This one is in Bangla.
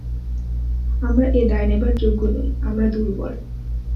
আমরা এ দায় নেবার যোগ্য নই, আমরা দুর্বল।